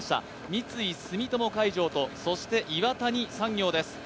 三井住友海上とそして岩谷産業です。